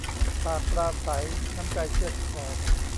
ปากปราศรัย น้ำใจเชือดคอ